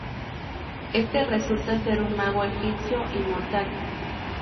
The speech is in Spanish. Éste resulta ser un mago egipcio inmortal.